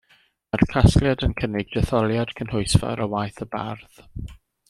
Mae'r casgliad yn cynnig detholiad cynhwysfawr o waith y bardd.